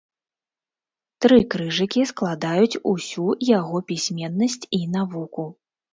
Тры крыжыкі складаюць усю яго пісьменнасць і навуку.